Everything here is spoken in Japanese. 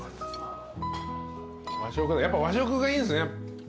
やっぱ和食がいいんすね。